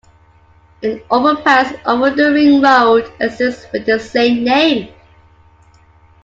An overpass over the ring road exists with the same name.